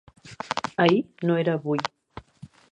Ahir no era avui!